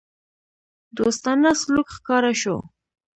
دوستانه سلوک ښکاره شو.